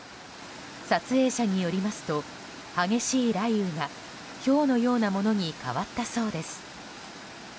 撮影者によりますと激しい雷雨がひょうのようなものに変わったそうです。